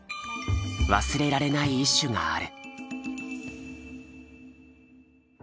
忘れられない一首がある。